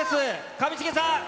上重さん。